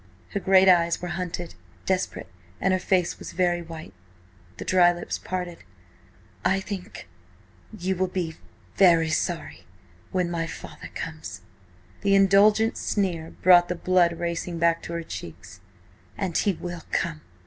Her great eyes were hunted, desperate, and her face was very white. The dry lips parted. "I think–you will be–very sorry–when my father–comes." The indulgent sneer brought the blood racing back to her cheeks. "And he will come!"